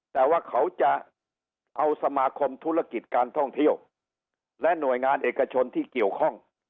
แต่ว่าเขาจะเอาสมาคมธุรกิจการท่องเที่ยวและหน่วยงานเอกชนที่เกี่ยวข้อง